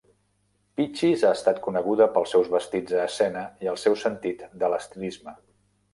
Peaches ha estat coneguda pels seus vestits a escena i el seu sentit de l'estilisme.